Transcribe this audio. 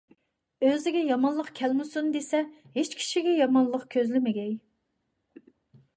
ئۆزىگە يامانلىق كەلمىسۇن دېسە، ھېچ كىشىگە يامانلىق كۆزلىمىگەي.